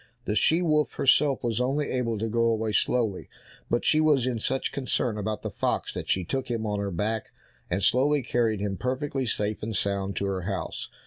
The she wolf herself was only able to go away slowly, but she was in such concern about the fox that she took him on her back, and slowly carried him perfectly safe and sound to her house.